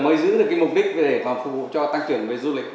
mới giữ được cái mục đích để phục vụ cho tăng trưởng với du lịch